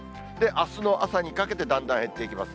あすの朝にかけて、だんだん減っていきます。